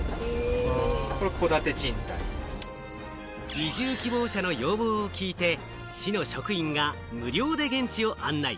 移住希望者の要望を聞いて、市の職員が無料で現地を案内。